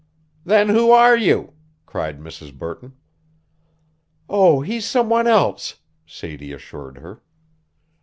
"Then who are you?" cried Mrs. Burton. "Oh, he's some one else," Sadie assured her.